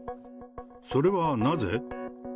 それはなぜ？